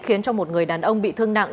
khiến cho một người đàn ông bị thương nặng